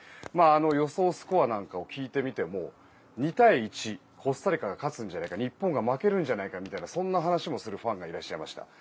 予想スコアなんかを聞いてみても２対１コスタリカが勝つんじゃないか日本が負けるんじゃないかと話すファンがいらっしゃいました。